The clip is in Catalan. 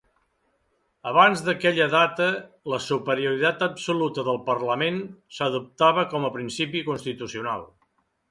Abans d'aquella data, la superioritat absoluta del parlament s'adoptava com a principi constitucional.